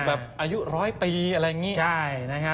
รุ่นแบบอายุร้อยปีอะไรอย่างเงี้ย